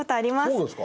そうですか。